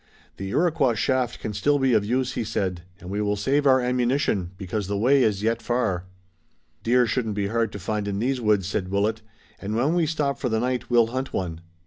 "The Iroquois shaft can still be of use," he said, "and we will save our ammunition, because the way is yet far." "Deer shouldn't be hard to find in these woods," said Willet, "and when we stop for the night we'll hunt one."